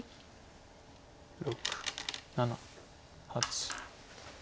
６７８。